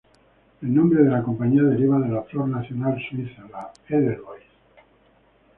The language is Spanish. El nombre de la compañía deriva de la flor nacional suiza, la Edelweiss.